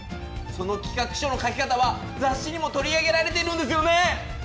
その企画書の書き方は雑誌にも取り上げられているんですよね？